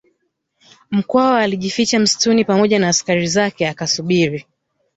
Mkwawa alijificha msituni pamoja na askari zake akasubiri